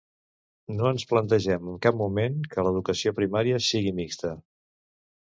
No ens plantegem en cap moment que l’educació primària sigui mixta.